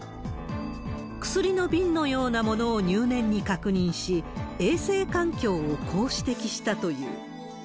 薬の瓶のようなものを入念に確認し、衛生環境をこう指摘したという。